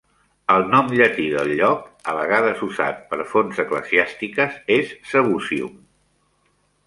El nom llatí del lloc, a vegades usat per fons eclesiàstiques, és "Sebusium".